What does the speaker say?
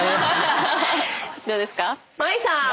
どうですか？